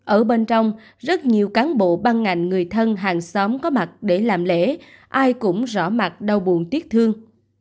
ở bên trong rất nhiều cán bộ ban ngành người thân hàng xóm có mặt để làm lễ ai cũng rõ mặt đau buồn tiếc thương